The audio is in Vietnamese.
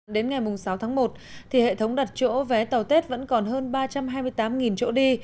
đến ngày sáu tháng một hệ thống đặt chỗ vé tàu tết vẫn còn hơn ba trăm hai mươi tám chỗ đi